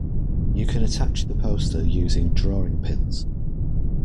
You can attach the poster using drawing pins